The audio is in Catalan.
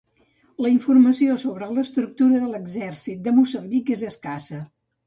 La informació sobre l'estructura de l'exèrcit de Moçambic és escassa.